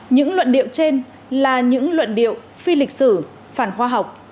những luận điệu trên là những luận điệu phi lịch sử phản khoa học